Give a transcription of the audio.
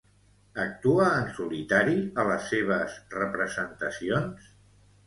Actua en solitari a les seves representacions?